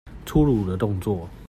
粗魯的動作